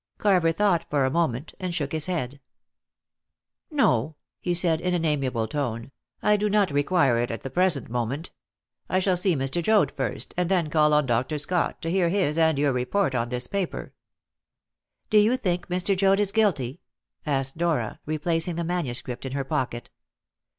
Carver thought for a moment, and shook his head. "No," he said in an amiable tone, "I do not require it at the present moment. I shall see Mr. Joad first, and then call on Dr. Scott to hear his and your report on this paper." "Do you think Mr. Joad is guilty?" asked Dora, replacing the manuscript in her pocket.